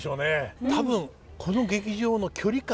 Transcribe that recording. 多分この劇場の距離感。